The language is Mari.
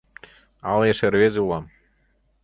Але эше рвезе улам.